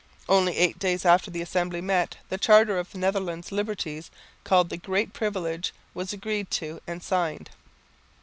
Only eight days after the Assembly met, the charter of Netherland liberties, called The Great Privilege, was agreed to and signed.